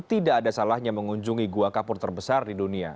tidak ada salahnya mengunjungi gua kapur terbesar di dunia